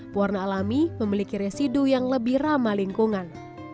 pewarna alami memiliki residu yang lebih ramah lingkungan